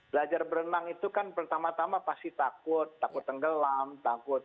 belajar berenang itu kan pertama tama pasti takut takut tenggelam takut